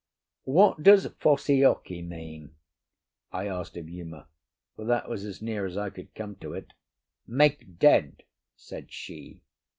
"What does fussy ocky mean?" I asked of Uma, for that was as near as I could come to it. "Make dead," said she.